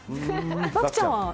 漠ちゃんは？